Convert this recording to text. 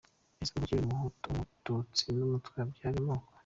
Ese kuva kera Umuhutu, Umututsi n’Umutwa byari amoko ?.